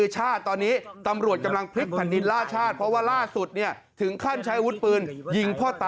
แจ้งแจ้งแจ้งคงจะเล่น